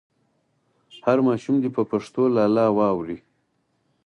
هر ماشوم دې په پښتو لالا واوري.